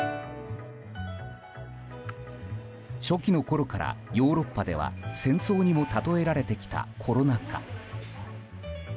初期のころからヨーロッパでは戦争にも例えられてきたコロナ禍。